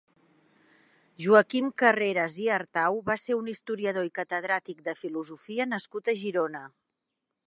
Joaquim Carreras i Artau va ser un historiador i catedràtic de filosofia nascut a Girona.